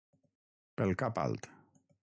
Pel cap alt.